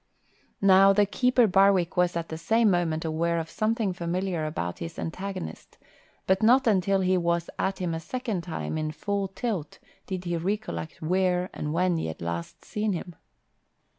Now the keeper Barwick was at the same moment aware of something familiar about his antagonist, but not until he was at him a second time in full tilt did he recollect where and when he had last seen him.